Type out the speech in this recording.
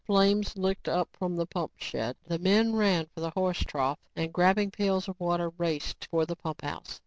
Flames licked up from the pump shed. The men ran for the horse trough and grabbing pails of water, raced for the pumphouse.